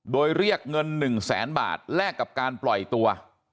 โดยเรียกเงิน๑แสนบาทแลกกับการปล่อยตัว